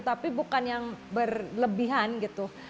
tapi bukan yang berlebihan gitu